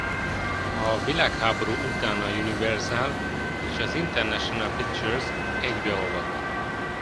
A világháború után a Universal és az International Pictures egybeolvadt.